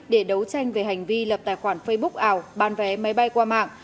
để đấu tranh về hành vi lập tài khoản facebook ảo bán vé máy bay qua mạng